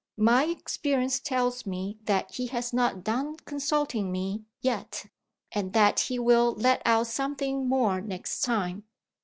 My experience tells me that he has not done consulting me yet and that he will let out something more next time.